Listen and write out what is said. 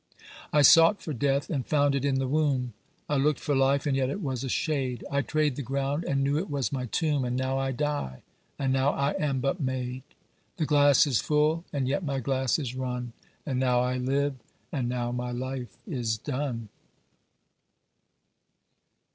I sought for death, and found it in the wombe, I lookt for life, and yet it was a shade, I trade the ground, and knew it was my tombe, And now I dye, and now I am but made. The glass is full, and yet my glass is run; And now I live, and now my life is done!